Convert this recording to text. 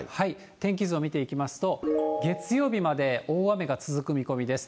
天気図を見ていきますと、月曜日まで大雨が続く見込みです。